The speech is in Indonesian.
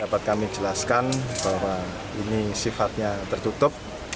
dapat kami jelaskan bahwa ini sifatnya tertutup